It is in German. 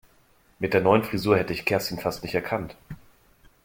Mit der neuen Frisur hätte ich Kerstin fast nicht erkannt.